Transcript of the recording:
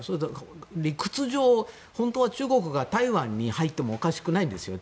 理屈上、本当は中国が台湾に入ってもおかしくないですよね。